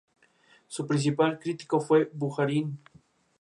Su principal crítico fue Bujarin.